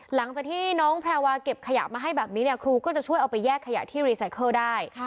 หลังจากที่น้องแพรวาเก็บขยะมาให้แบบนี้เนี่ยครูก็จะช่วยเอาไปแยกขยะที่รีไซเคิลได้